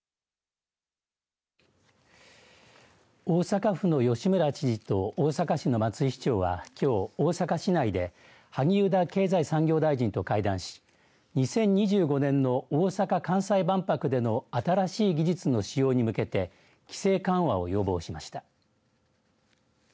大阪府の吉村知事と大阪市の松井市長は、きょう大阪市内で、萩生田経済産業大臣と会談し２０２５年の大阪・関西万博の新しい技術の使用に向けて規制緩和を要望しました。